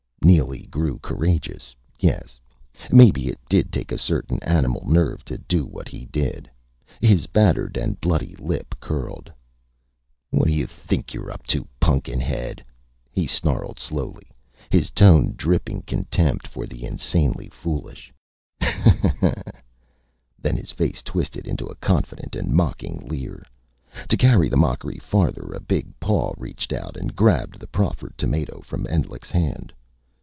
Neely grew courageous yes, maybe it did take a certain animal nerve to do what he did. His battered and bloodied lip curled. "Whatdayuh think you're up to, Pun'kin head!" he snarled slowly, his tone dripping contempt for the insanely foolish. He laughed sourly, "Haw haw haw." Then his face twisted into a confident and mocking leer. To carry the mockery farther, a big paw reached out and grabbed the proffered tomato from Endlich's hand.